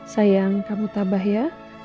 sayang kamu tabah ya